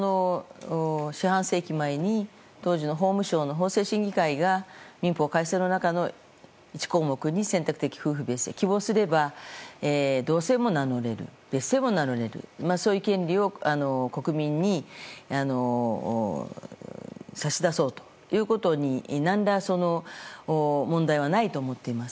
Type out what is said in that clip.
四半世紀前に当時の法務省の法制審議会が民法改正の中の１項目に選択的夫婦別姓希望すれば同姓も名乗れる別姓も名乗れるそういう権利を国民に差し出そうということに何ら、問題はないと思っています。